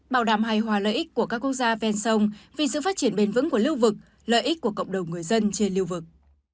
bảo đảm hài hòa lợi ích của các quốc gia ven sông vì sự phát triển bền vững của lưu vực lợi ích của cộng đồng người dân trên lưu vực